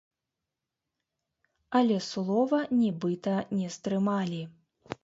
Але слова нібыта не стрымалі.